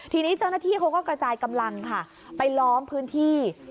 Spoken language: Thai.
ทีนี้เจ้าหน้าที่เขาก็กระจายกำลังค่ะไปล้อมพื้นที่